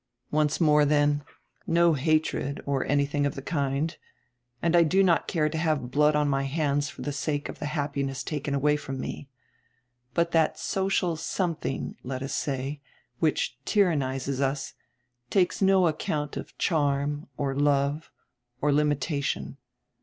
Once more then, no hatred or anything of the kind, and I do not care to have blood on my hands for the sake of the happiness taken away from me. But that social something, let us say, which tyrannizes us, takes no account of charm, or love, or limitation.